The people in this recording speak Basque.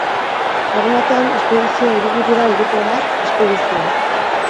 Larunbatean, espedizioa hiriburura helduko da espedizioa.